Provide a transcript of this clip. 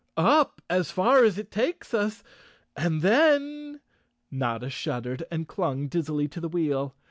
"Up as far as it takes us, and then—" Notta shud¬ dered and clung dizzily to the wheel.